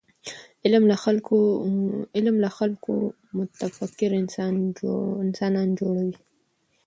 علم له خلکو متفکر انسانان جوړوي.